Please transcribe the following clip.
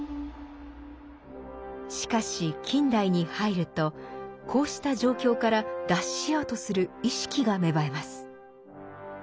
しかし近代に入るとこうした状況から脱しようとする意識が芽生えます。